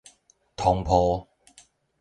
統埔